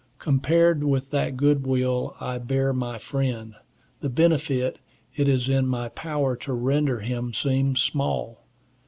Compared with that good will I bear my friend, the benefit it is in my power to render him seems small.